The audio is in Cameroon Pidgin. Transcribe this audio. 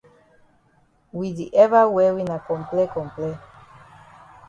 We we di ever wear na comple comple.